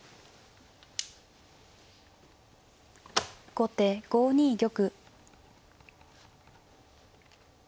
後手５二玉。